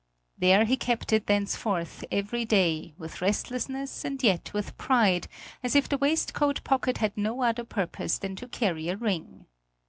There he kept it thenceforth every day with restlessness and yet with pride, as if the waistcoat pocket had no other purpose than to carry a ring.